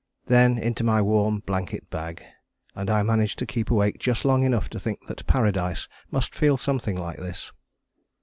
Then into my warm blanket bag, and I managed to keep awake just long enough to think that Paradise must feel something like this.